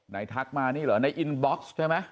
ทักมานี่เหรอในอินบ็อกซ์ใช่ไหม